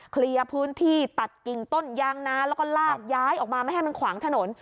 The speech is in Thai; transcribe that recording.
เคลียร์พื้นที่ตัดกิ่งต้นยางนาแล้วก็ลากย้ายออกมาไม่ให้มันขวางถนน